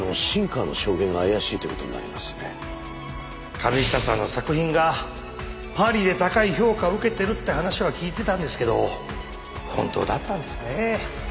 神下さんの作品がパリで高い評価を受けてるって話は聞いてたんですけど本当だったんですねえ。